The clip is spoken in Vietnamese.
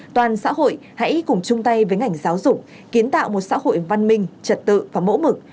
toàn xã hội hãy cùng chung tay với ngành giáo dục kiến tạo một xã hội văn minh trật tự và mẫu mực